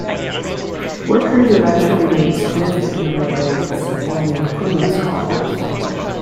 Workers eventually lay significant numbers of eggs only in queenless colonies.